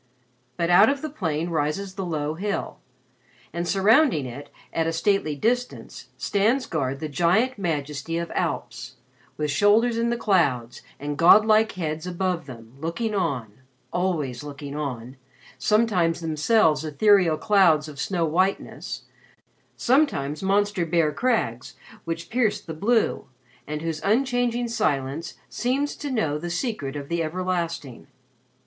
But out of the plain rises the low hill, and surrounding it at a stately distance stands guard the giant majesty of Alps, with shoulders in the clouds and god like heads above them, looking on always looking on sometimes themselves ethereal clouds of snow whiteness, some times monster bare crags which pierce the blue, and whose unchanging silence seems to know the secret of the everlasting.